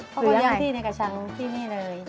เขาเรียนที่ในกระชั้นที่นี่เลย